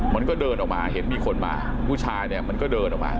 มันก็เดินออกมาเห็นมีคนมาผู้ชายเนี่ยมันก็เดินออกมา